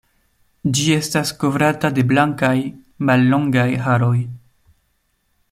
Ĝi estas kovrata de blankaj, mallongaj haroj.